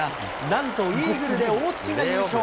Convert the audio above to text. なんと、イーグルで大槻が優勝。